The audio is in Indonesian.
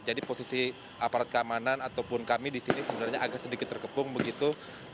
jadi posisi aparat keamanan ataupun kami disini sebenarnya agak sedikit terkepung begitu